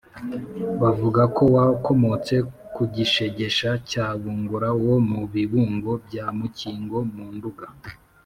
bavuga ko wakomotse kuri gishegesha cya bungura wo mu bibungo bya mukingo mu nduga,